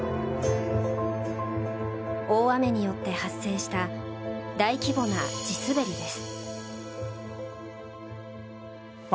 大雨によって発生した大規模な地滑りです。